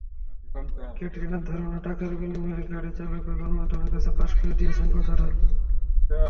ক্যাটরিনার ধারণা, টাকার বিনিময়ে গাড়িচালকই গণমাধ্যমের কাছে ফাঁস করে দিয়েছেন কথাটা।